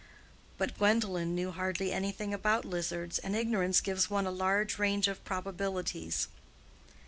But Gwendolen knew hardly anything about lizards, and ignorance gives one a large range of probabilities.